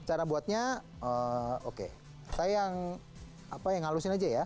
cara buatnya oke saya yang halusin aja ya